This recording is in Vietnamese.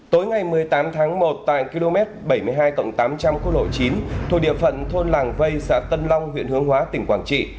tối ngày một mươi tám tháng một tại km bảy mươi hai tám trăm linh cô lộ chín thuộc địa phận thôn làng vây xã tân long huyện hướng hóa tỉnh quảng trị